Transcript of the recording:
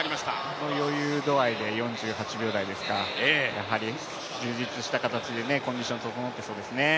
この余裕度合いで４８秒台ですからやはり充実した形でコンディション整ってそうですね。